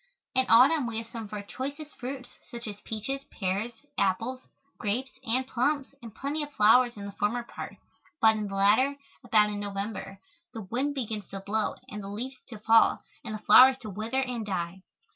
In autumn we have some of our choicest fruits, such as peaches, pears, apples, grapes and plums and plenty of flowers in the former part, but in the latter, about in November, the wind begins to blow and the leaves to fall and the flowers to wither and die.